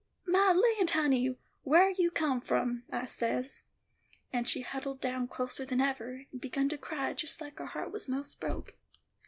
"'My land, honey, whar you come from?' I says, and she huddled down closer than ever, and began to cry just like her heart was most broke.